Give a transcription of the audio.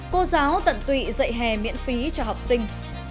cô giáo tận tụy dạy hè miễn phí cho học sinh